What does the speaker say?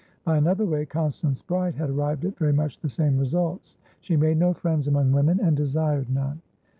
By another way, Constance Bride had arrived at very much the same results; she made no friends among women, and desired none.